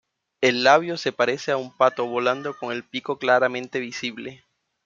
El labio se parece a un pato volando con el pico claramente visible.